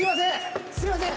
すいません！